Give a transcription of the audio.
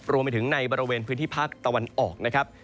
รวมไปถึงในบริเวณพื้นที่ภาคตะวันออกนะครับ